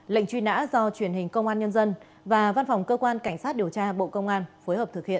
lệnh truy nã do truyền hình công an nhân dân và văn phòng cơ quan cảnh sát điều tra bộ công an phối hợp thực hiện